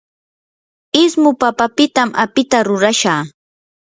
ismu papapitam apita rurashaa.